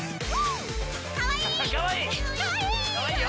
かわいい！